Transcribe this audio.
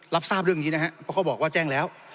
รับทราบเรื่องนี้นะครับเพราะเขาบอกว่าแจ้งแล้ว